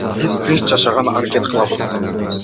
Биз тынч жашаганга аракет кылабыз.